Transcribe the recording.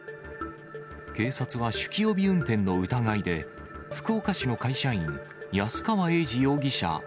警察は酒気帯び運転の疑いで、福岡市の会社員、安川英司容疑者